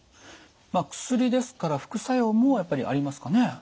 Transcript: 薬ですから副作用もやっぱりありますかね。